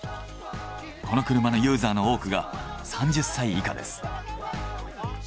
この車のユーザーの多くが３０歳以下です。